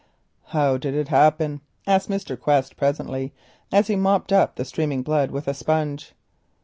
"How did it happen?" asked Mr. Quest presently, as he mopped up the streaming blood with a sponge.